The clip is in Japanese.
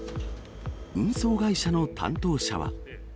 運送会社の担当者は。